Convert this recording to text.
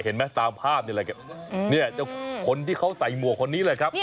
เห็นไหมตามภาพนี่แหละเนี่ยเจ้าคนที่เขาใส่หมวกคนนี้เลยครับ